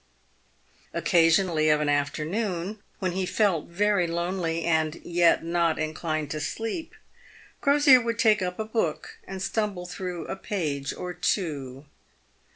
Occasionally of an afternoon, when he felt very lonely, and yet not inclined to sleep, Crosier would take up a book and stumble through a page or two.